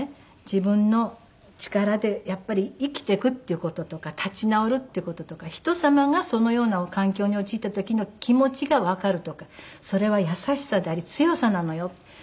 自分の力でやっぱり生きてくっていう事とか立ち直るっていう事とか人様がそのような環境に陥った時の気持ちがわかるとかそれは優しさであり強さなのよ」。